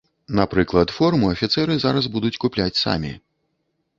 Напрыклад, форму афіцэры зараз будуць купляць самі.